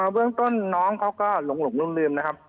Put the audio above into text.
เบื้องต้นน้องเขาก็หลงลืมนะครับ